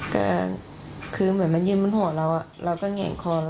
ก็คือเหมือนมันยืนบนหัวเราเราก็แง่งคอเรา